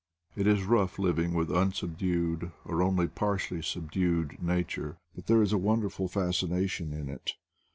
It is rough living with unsubdued, or only par tially subdued, Nature, but there is a wonderful fascination in it.